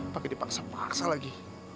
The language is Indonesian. pak yadi paksa paksa lagi